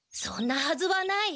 そんなはずはない。